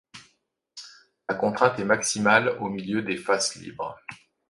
La contrainte est maximale au milieu des faces libres.